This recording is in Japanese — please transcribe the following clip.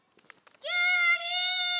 きゅうり！